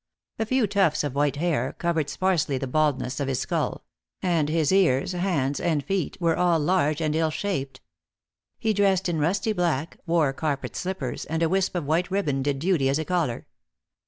A few tufts of white hair covered sparsely the baldness of his skull; and his ears, hands, and feet were all large and ill shaped. He dressed in rusty black, wore carpet slippers, and a wisp of white ribbon did duty as a collar.